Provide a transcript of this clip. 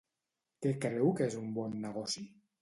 Què creu que és un bon negoci?